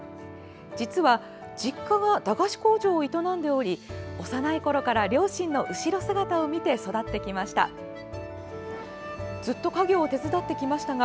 実は、実家が駄菓子工場を営んでおり幼いころから両親の後ろ姿を見て育ってきました。